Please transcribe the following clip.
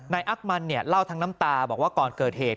อักมันเนี่ยเล่าทั้งน้ำตาบอกว่าก่อนเกิดเหตุ